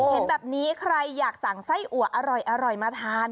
เห็นแบบนี้ใครอยากสั่งไส้อัวอร่อยมาทาน